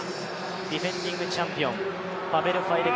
ディフェンディングチャンピオンパベル・ファイデク。